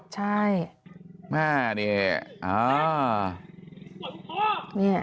ใช่